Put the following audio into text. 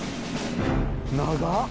長っ。